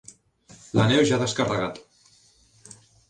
La nau ja ha descarregat.